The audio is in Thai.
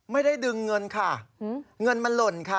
ไม่ได้ดึงเงินค่ะเงินมันหล่นค่ะ